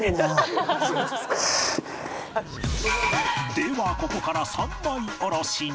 ではここから三枚おろしに